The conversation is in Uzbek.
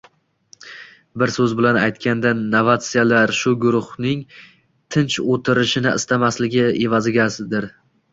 bir so‘z bilan aytganda novatsiyalar shu guruhning «tinch o‘tirish»ni istamasligi evazigadir.